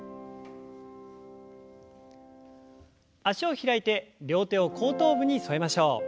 脚を開いて両手を後頭部に添えましょう。